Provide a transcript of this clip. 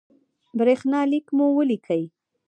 برېښنالک مو ولیکئ